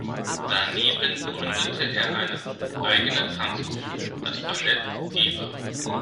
Daneben gründete er eine eigene Tanzgruppe, das „Ballet Deva“.